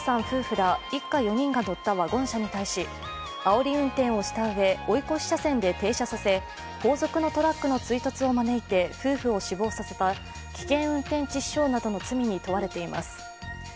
夫婦ら一家４人が乗ったワゴン車に対しあおり運転をしたうえ、追い越し車線で停車させ、後続のトラックの追突を招いて夫婦を死亡させた危険運転致死傷などの罪に問われています。